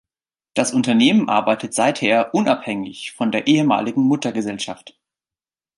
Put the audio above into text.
Das Unternehmen arbeitet seither unabhängig von der ehemaligen Muttergesellschaft.